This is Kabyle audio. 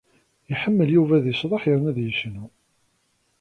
Iḥemmel Yuba ad yecḍeḥ yerna ad yecnu.